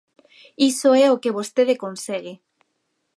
Iso é o que vostede consegue.